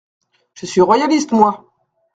Je suis royaliste, moi !